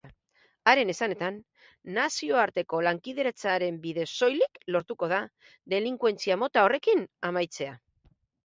Haren esanetan, nazioarteko lankidetzaren bidez soilik lortuko da delinkuentzia mota horrekin amaitzea.